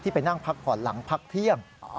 ไปนั่งพักผ่อนหลังพักเที่ยง